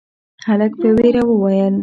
هلک په وېره وويل: